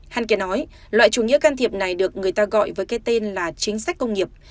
hanken nói loại chủ nghĩa can thiệp này được người ta gọi với cái tên là chính sách công nghiệp